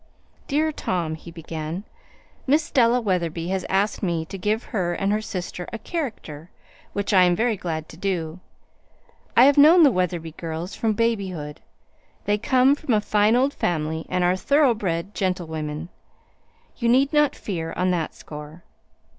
"Dear Tom," he began. "Miss Della Wetherby has asked me to give her and her sister a 'character,' which I am very glad to do. I have known the Wetherby girls from babyhood. They come from a fine old family, and are thoroughbred gentlewomen. You need not fear on that score.